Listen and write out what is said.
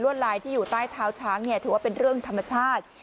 ลายที่อยู่ใต้เท้าช้างเนี่ยถือว่าเป็นเรื่องธรรมชาติ